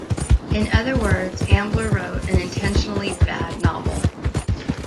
In other words, Ambler wrote an intentionally "bad" novel.